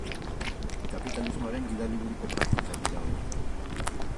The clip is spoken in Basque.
Kapitalismoaren gidaliburuko praktikak dira horiek.